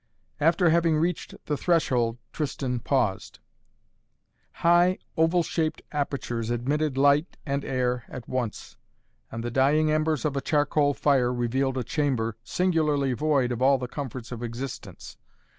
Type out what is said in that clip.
After having reached the threshold Tristan paused. High, oval shaped apertures admitted light and air at once, and the dying embers of a charcoal fire revealed a chamber, singularly void of all the comforts of existence.